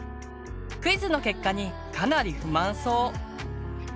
クイズの結果にかなり不満そう。